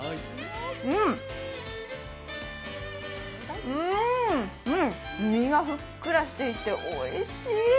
うん、うん、身がふっくらしていておいしい。